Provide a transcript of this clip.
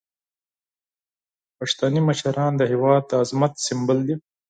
پښتني مشران د هیواد د عظمت سمبول دي.